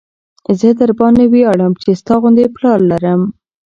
زه درباندې وياړم چې ستا غوندې پلار لرم.